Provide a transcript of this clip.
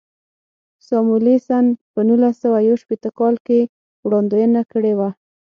ساموېلسن په نولس سوه یو شپېته کال کې وړاندوینه کړې وه.